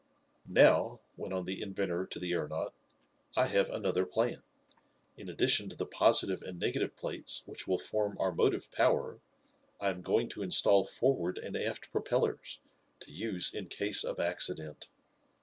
"Now," went on the inventor to the aeronaut, "I have another plan. In addition to the positive and negative plates which will form our motive power, I am going to install forward and aft propellers, to use in case of accident."